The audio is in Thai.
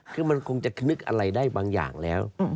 คือมันคงจะนึกอะไรได้บางอย่างแล้ว